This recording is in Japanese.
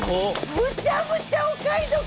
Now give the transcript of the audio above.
むちゃむちゃお買い得！